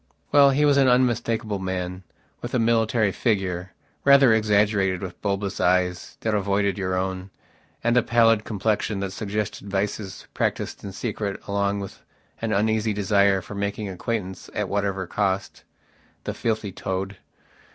Well, he was an unmistakable man, with a military figure, rather exaggerated, with bulbous eyes that avoided your own, and a pallid complexion that suggested vices practised in secret along with an uneasy desire for making acquaintance at whatever cost.... The filthy toad...